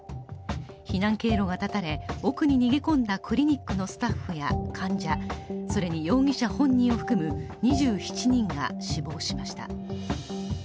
避難経路が断たれ、奥に逃げ込んだクリニックのスタッフや患者それに容疑者本人を含む２７人が死亡しました。